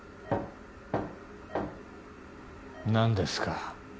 何ですか？